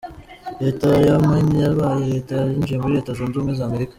Leta ya Maine yabaye leta ya yinjiye muri Leta zunze ubumwe za Amerika.